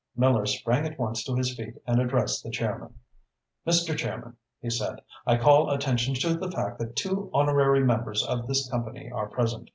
Miller sprang at once to his feet and addressed the chairman. "Mr. Chairman," he said, "I call attention to the fact that two honorary members of this company are present.